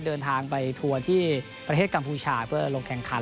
เดินทางไปทัวร์ที่ประเทศกัมพูชาเพื่อลงแข่งขัน